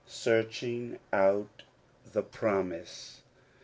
107 SEARCHING OUT THE PROMISE.